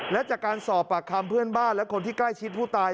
และจากการสอบปากคำเพื่อนบ้านและคนที่ใกล้ชิดผู้ตาย